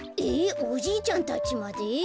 えっおじいちゃんたちまで？